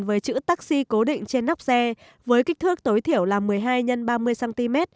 với chữ taxi cố định trên nóc xe với kích thước tối thiểu là một mươi hai x ba mươi cm